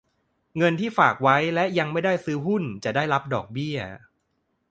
เงินที่ฝากไว้และยังไม่ได้ซื้อหุ้นจะได้รับดอกเบี้ย